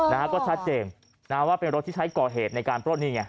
นะฮะก็ชัดเจนนะว่าเป็นรถที่ใช้ก่อเหตุในการปล้นนี่ไง